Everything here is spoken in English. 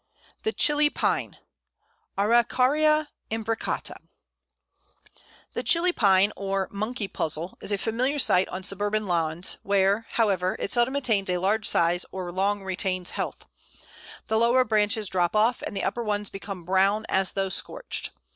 ] The Chili Pine (Araucaria imbricata). The Chili Pine, or "Monkey Puzzle," is a familiar sight on suburban lawns, where, however, it seldom attains a large size or long retains health. The lower branches drop off, and the upper ones become brown, as though scorched.